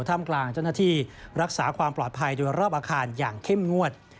ทำกลางเจ้าหน้าที่รักษาความปลอดภัยโดยรอบอาคารอย่างเข้มงวด